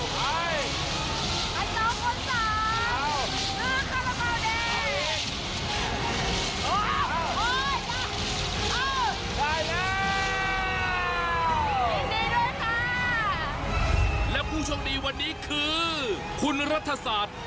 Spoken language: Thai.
ได้แล้วยินดีด้วยค่ะแล้วผู้ชมดีวันนี้คือคุณรัฐสาธิต